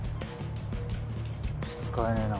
使えねえな。